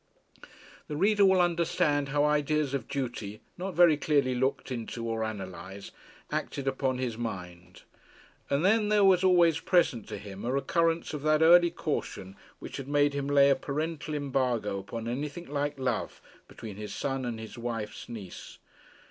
The reader will understand how ideas of duty, not very clearly looked into or analysed, acted upon his mind. And then there was always present to him a recurrence of that early caution which had made him lay a parental embargo upon anything like love between his son and his wife's niece.